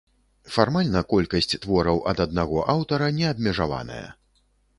Фармальна колькасць твораў ад аднаго аўтара не абмежаваная.